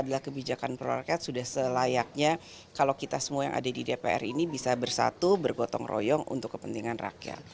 adalah kebijakan pro rakyat sudah selayaknya kalau kita semua yang ada di dpr ini bisa bersatu bergotong royong untuk kepentingan rakyat